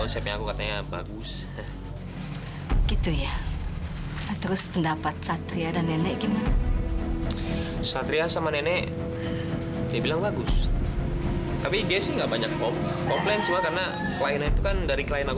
sejak kapan kamu sering bohongin mama